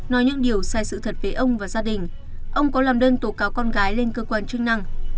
không sai sự thật với ông và gia đình ông có làm đơn tổ cáo con gái lên cơ quan chức năng